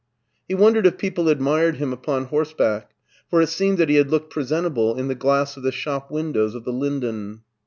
He wondered if people admired him upon horseback, for it seemed that he had looked presentable in the glass of the shop win* dows of the Linden.